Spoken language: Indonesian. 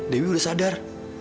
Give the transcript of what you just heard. dewi udah sadar